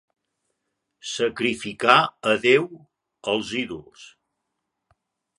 Sacrificar a Déu, als ídols.